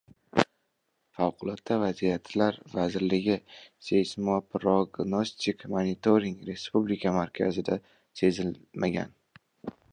Favqulotda Vaziyatlar Vazirligi Seysmoprognostik monitoring Respublika markazida sezilmagan.